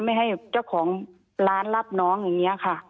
ไม่ให้เจ้าของร้านรับน้องอย่างนี้ค่ะ